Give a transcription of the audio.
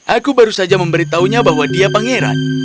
aku baru saja memberitahunya bahwa dia pangeran